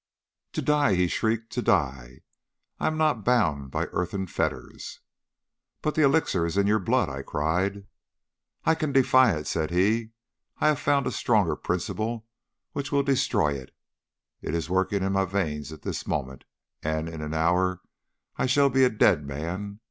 "'To die!' he shrieked, 'to die! I am not bound by earthen fetters.' "'But the elixir is in your blood,' I cried. "'I can defy it,' said he; 'I have found a stronger principle which will destroy it. It is working in my veins at this moment, and in an hour I shall be a dead man.